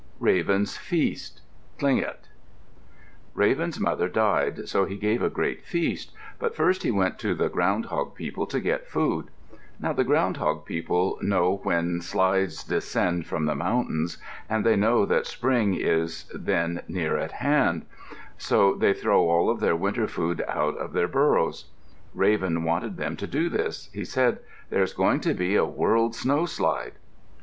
RAVEN'S FEAST Tlingit Raven's mother died, so he gave a great feast, but first he went to the Ground hog people to get food. Now the Ground hog people know when slides descend from the mountains, and they know that spring is then near at hand, so they throw all of their winter food out of their burrows. Raven wanted them to do this. He said, "There is going to be a world snowslide."